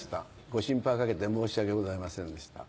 ご心配をかけて申し訳ございませんでした。